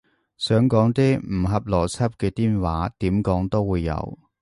想講啲唔合邏輯嘅癲話，點講都會有